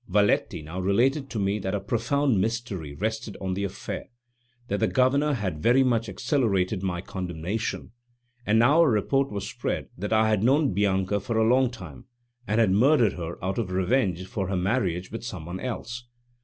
Valetti now related to me that a profound mystery rested on the affair, that the Governor had very much accelerated my condemnation, and now a report was spread that I had known Bianca for a long time, and had murdered her out of revenge for her marriage with some one else.